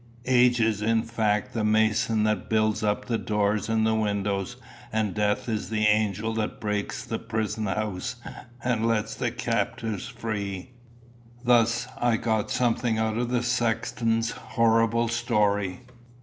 Age is in fact the mason that builds up the doors and the windows, and death is the angel that breaks the prison house and lets the captives free. Thus I got something out of the sexton's horrible story.